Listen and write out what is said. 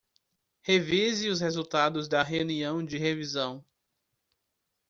Revise os resultados da reunião de revisão